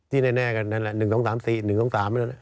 แก้เป็นไล่ที่แน่นั้นแหละ๑๒๓๔๓